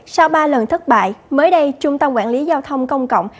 sau ba lần thất bại mới đây trung tâm quản lý giao thông công cộng